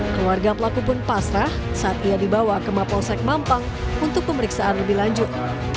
keluarga pelaku pun pasrah saat ia dibawa ke mapolsek mampang untuk pemeriksaan lebih lanjut